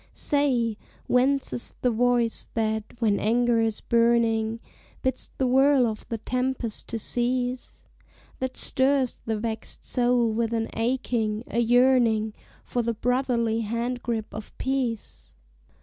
Say, whence is the voice that, when anger is burning, Bids the whirl of the tempest to cease? That stirs the vexed soul with an aching a yearning For the brotherly hand grip of peace?